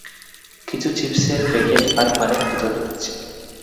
কিছু চিপসের প্যাকেট আর পানির বোতল এনেছি।